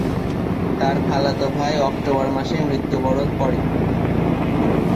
তার খালাতো ভাই অক্টোবর মাসে মৃত্যুবরণ করে।